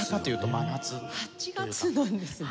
８月なんですね！